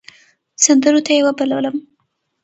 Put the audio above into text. سندرو ته يې وبللم .